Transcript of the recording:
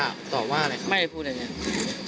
แล้วหลังจากนั้นเราขับหนีเอามามันก็ไล่ตามมาอยู่ตรงนั้น